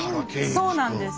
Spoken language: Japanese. そうなんです。